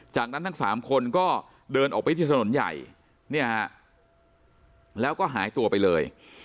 จากนั้นทั้งสามคนก็เดินออกไปที่ถนนใหญ่เนี่ยฮะแล้วก็หายตัวไปเลย